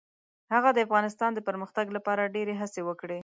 هغه د افغانستان د پرمختګ لپاره ډیرې هڅې وکړې.